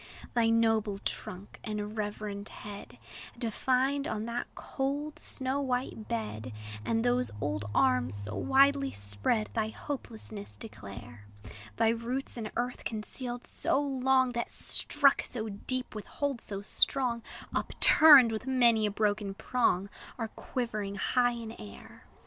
Thy noble trunk and reverend head, Defined on that cold, snow white bed, And those old arms, so widely spread, Thy hopelessness declare: Thy roots, in earth concealed so long That struck so deep, with hold so strong, Upturned with many a broken prong, Are quivering high in air.